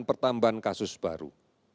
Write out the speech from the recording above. pertambahan kasus baru